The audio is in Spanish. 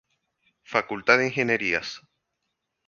Facultad de Ingenierías.